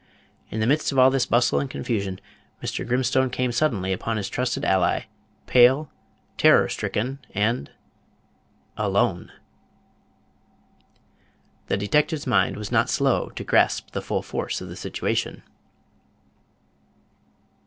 In the midst of all this bustle and confusion, Mr. Grimstone came suddenly upon his trusted ally, pale, terror stricken, and ALONE! The detective's mind was not slow to grasp the full force of the situation.